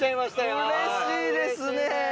うれしいですね。